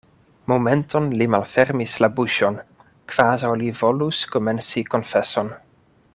Momenton li malfermis la buŝon, kvazaŭ li volus komenci konfeson.